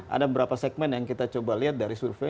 ada beberapa segmen yang kita coba lihat dari survei